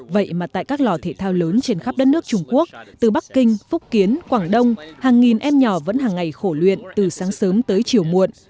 vậy mà tại các lò thể thao lớn trên khắp đất nước trung quốc từ bắc kinh phúc kiến quảng đông hàng nghìn em nhỏ vẫn hàng ngày khổ luyện từ sáng sớm tới chiều muộn